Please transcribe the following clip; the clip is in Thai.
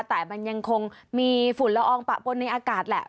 แต่มันยังคงมีฝุ่นละอองปะปนในอากาศแหละ